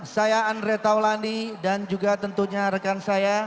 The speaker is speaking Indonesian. saya andre taulandi dan juga tentunya rekan saya